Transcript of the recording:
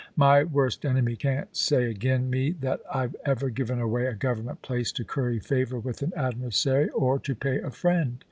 My worst enemy can't say agen me that I've ever given away a Government place to curry favour with an adversary or to pay a friend.